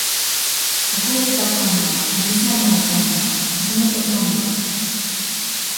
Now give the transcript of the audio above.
起こった神無許さない神無橋本神無